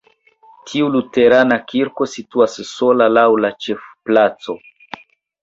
Tiu luterana kirko situas sola laŭ la ĉefplaco.